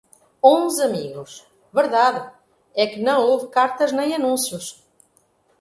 Onze amigos! Verdade é que não houve cartas nem anúncios.